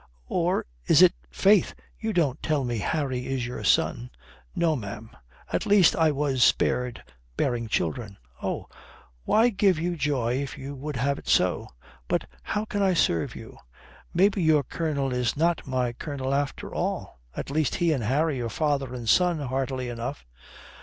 Or is it faith, you don't tell me Harry is your son?" "No, ma'am. At least I was spared bearing children." "Oh why, give you joy if you would have it so. But how can I serve you? Maybe your Colonel is not my Colonel after all. At least he and Harry are father and son heartily enough."